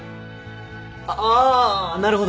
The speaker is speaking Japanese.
あっあなるほど。